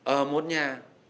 ở một nhà